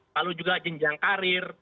lalu juga jenjang karir